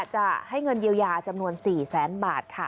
จะให้เงินเยียวยาจำนวน๔แสนบาทค่ะ